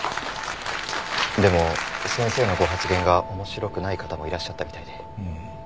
でも先生のご発言が面白くない方もいらっしゃったみたいで。